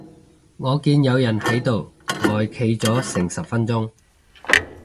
我見有人喺度呆企咗成十分鐘